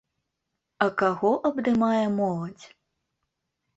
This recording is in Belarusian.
А каго абдымае моладзь?